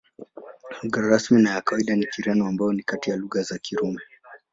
Lugha rasmi na ya kawaida ni Kireno, ambayo ni kati ya lugha za Kirumi.